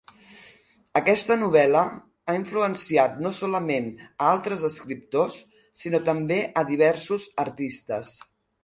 Aquesta novel·la ha influenciat no solament a altres escriptors, sinó també a diversos artistes.